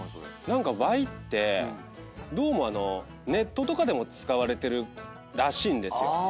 何かワイってどうもネットとかでも使われてるらしいんですよ。